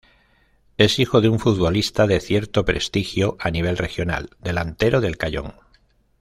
Es hijo de un futbolista de cierto prestigio a nivel regional, delantero del Cayón.